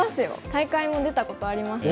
大会も出たことあります。